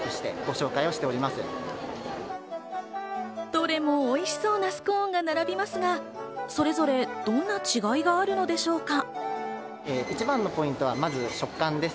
どれもおいしそうなスコーンが並びますが、それぞれどんな違いがあるのでしょうか？